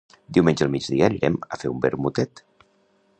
Diumenge al migdia anirem a fer un vermutet